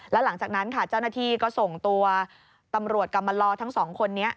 แล้วหลังจากนั้นจ้านาธีก็ส่งตัวตำรวจกลับมารอทั้งสองคนนี้